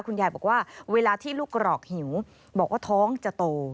คุณยายบอกว่าเวลาที่ลูกกรอกหิวบอกว่าท้องจะโต